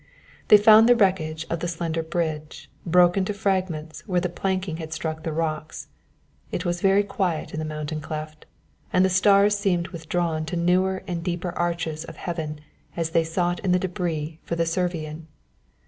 They found the wreckage of the slender bridge, broken to fragments where the planking had struck the rocks. It was very quiet in the mountain cleft, and the stars seemed withdrawn to newer and deeper arches of heaven as they sought in the debris for the Servian.